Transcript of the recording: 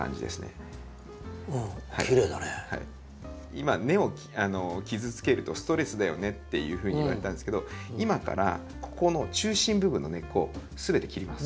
今「根を傷つけるとストレスだよね」っていうふうに言われたんですけど今からここの中心部分の根っこすべて切ります。